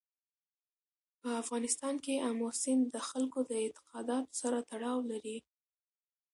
په افغانستان کې آمو سیند د خلکو د اعتقاداتو سره تړاو لري.